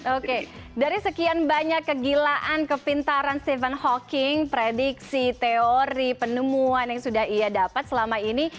oke dari sekian banyak kegilaan kepintaran stephen hawking prediksi teori penemuan yang sudah ia dapat selama ini